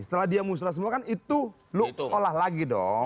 setelah dia musrah semua kan itu lu olah lagi dong